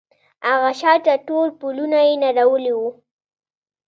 هغه شاته ټول پلونه يې نړولي وو.